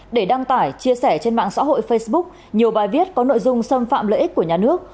để đăng tải chia sẻ trên mạng xã hội facebook nhiều bài viết có nội dung xâm phạm lợi ích của nhà nước